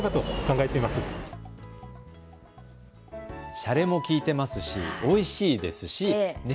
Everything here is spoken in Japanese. しゃれも利いてますしおいしいですしね